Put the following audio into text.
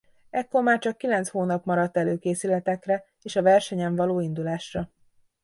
Ekkor már csak kilenc hónap maradt előkészületekre és a versenyen való indulásra.